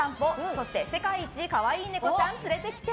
そして、世界一かわいいネコちゃん連れてきて。